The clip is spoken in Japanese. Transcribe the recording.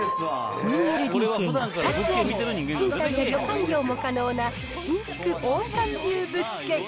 ２ＬＤＫが２つあり、賃貸や旅館業も可能な、新築オーシャンビュー物件。